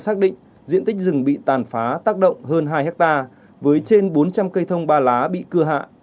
xác định diện tích rừng bị tàn phá tác động hơn hai hectare với trên bốn trăm linh cây thông ba lá bị cưa hạ